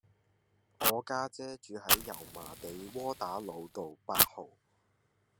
我家姐住喺油麻地窩打老道八號